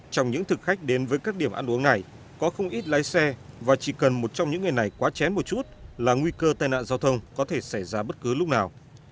trong những thực khách đến với các điểm ăn uống này có không ít lái xe và chỉ cần một trong những người này quá chén một chút là nguy cơ tai nạn giao thông có thể xảy ra bất cứ lúc nào